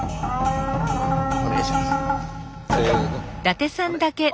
お願いします。